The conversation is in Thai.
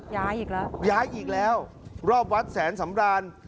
ย้ายอีกแล้วย้ายอีกแล้วรอบวัดแสนสำราน